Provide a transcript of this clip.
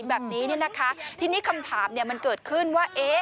แบบนี้เนี่ยนะคะทีนี้คำถามมันเกิดขึ้นว่า